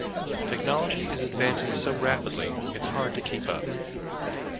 Technology is advancing so rapidly, it's hard to keep up.